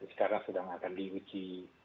sekarang sedang akan diuji